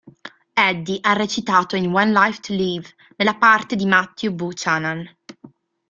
Eddie ha recitato in One Life to Live nella parte di Matthew Buchanan.